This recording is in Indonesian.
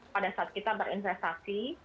pada saat kita berinvestasi